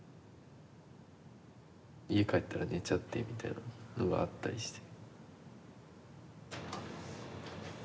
家帰ったら寝ちゃってみたいなのがあったりして。